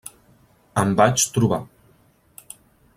Em vaig trobar.